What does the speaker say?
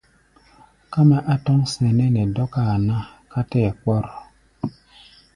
Ká mɛ́ á tɔ́ŋ sɛnɛ́ nɛ dɔ́káa ná ká tɛ́ɛ kpɔ́r.